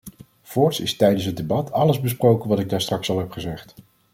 Voorts is tijdens het debat alles besproken wat ik daarstraks al heb gezegd.